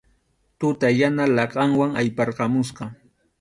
Tuta yana laqhanwan ayparqamusqa.